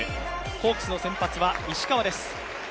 ホークスの先発は石川です。